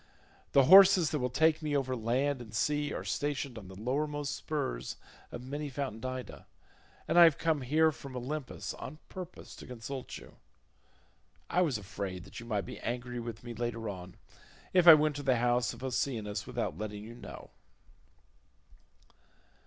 The horses that will take me over land and sea are stationed on the lowermost spurs of many fountained Ida, and I have come here from Olympus on purpose to consult you. I was afraid you might be angry with me later on, if I went to the house of Oceanus without letting you know."